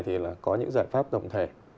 thì là có những giải pháp tổng thể